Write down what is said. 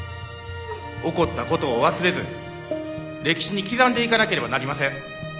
起こったことを忘れず歴史に刻んでいかなければなりません。